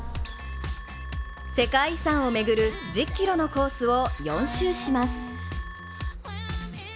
世界遺産を巡る１０ｋｍのコースを４周します。